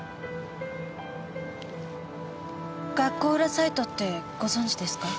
「学校裏サイト」ってご存じですか？